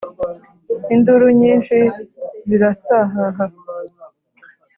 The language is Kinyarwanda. Induru nyinshi zirasahaha!